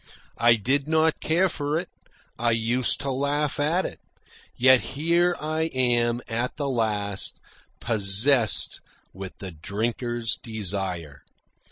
I did not care for it. I used to laugh at it. Yet here I am, at the last, possessed with the drinker's desire.